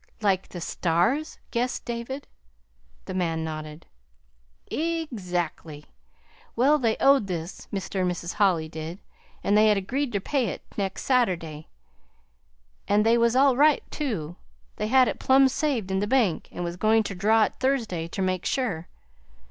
"Like the stars?" guessed David. The man nodded. "Ex ACTLY! Well, they owed this Mr. an' Mis' Holly did and they had agreed ter pay it next Sat'day. And they was all right, too. They had it plum saved in the bank, an' was goin' ter draw it Thursday, ter make sure.